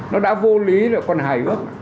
nó đã vô lý là còn hài hước